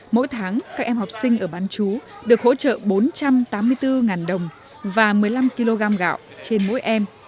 mỗi tháng các em học sinh ở bán chú được hỗ trợ bốn trăm tám mươi bốn đồng và một mươi năm kg gạo trên mỗi em